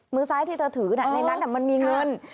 มือซ้ายที่เธอถือในนั้นมันมีเงิน